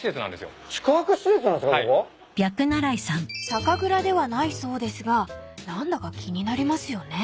［酒蔵ではないそうですが何だか気になりますよね］